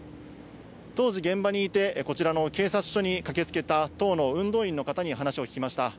当時、現場にいて、こちらの警察署に駆けつけた、党の運動員の方に話を聞きました。